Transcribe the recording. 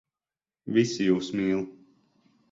Visi jūs mīl.